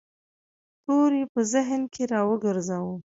توری په ذهن کې را وګرځاوه.